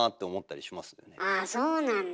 ああそうなんだ。